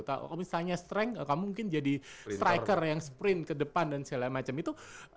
kalau misalnya strength kamu mungkin jadi striker yang sprint ke depan dan segala macam itu